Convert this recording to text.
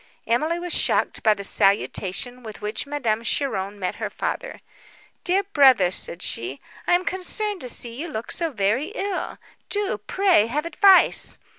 Emily was shocked by the salutation with which Madame Cheron met her father—"Dear brother," said she, "I am concerned to see you look so very ill; do, pray, have advice!"